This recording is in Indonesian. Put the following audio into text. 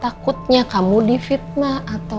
takutnya kamu difitnah atau